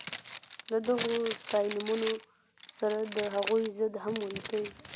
له دغو ستاینومونو سره د هغوی ضد هم ولیکئ.